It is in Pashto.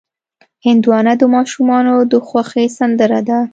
هندوانه د ماشومانو د خوښې سندره ده.